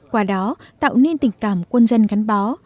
qua đó tạo nên tình cảm quân dân gắn bó